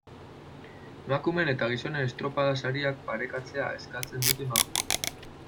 Emakumeen eta gizonen estropada-sariak parekatzea eskatzen dute emakumeek.